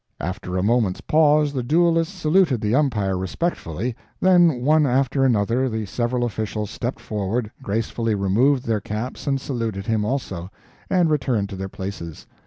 After a moment's pause the duelists saluted the umpire respectfully, then one after another the several officials stepped forward, gracefully removed their caps and saluted him also, and returned to their places.